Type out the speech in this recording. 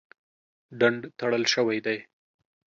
ډنډ تړل شوی دی.